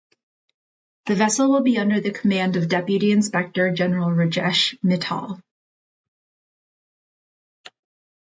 The vessel will be under the command of Deputy Inspector General Rajesh Mittal.